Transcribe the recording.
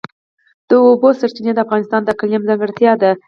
د اوبو سرچینې د افغانستان د اقلیم ځانګړتیا ده.